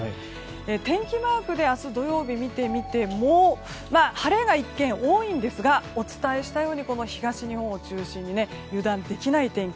天気マークで明日土曜日を見てみても晴れが一見多いんですがお伝えしたように東日本を中心に油断できない天気。